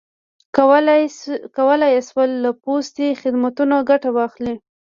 کولای یې شول له پوستي خدمتونو ګټه واخلي.